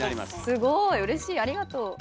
すごいうれしいありがとう。